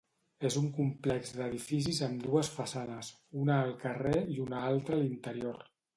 És un complex d'edificis amb dues façanes, una al carrer i una altra a l'interior.